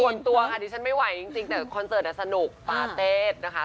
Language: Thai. ส่วนตัวค่ะดิฉันไม่ไหวจริงแต่คอนเสิร์ตสนุกปาเตศนะคะ